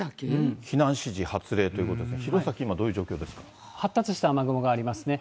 避難指示発令ということですが、弘前、今、発達した雨雲がありますね。